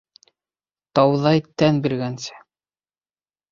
Тауҙай тән биргәнсе.